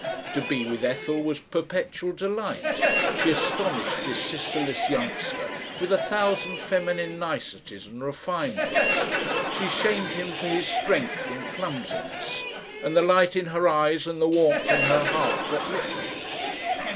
To be with Ethel was perpetual delight she astonished this sisterless youngster with a thousand feminine niceties and refinements. She shamed him for his strength and clumsiness. And the light in her eyes and the warmth in her heart that lit them!